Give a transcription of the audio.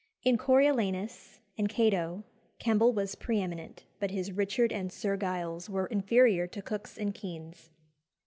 In Coriolanus and Cato, Kemble was pre eminent, but his Richard and Sir Giles were inferior to Cook's and Kean's.